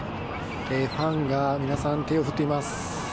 ファンが皆さん、手を振っています。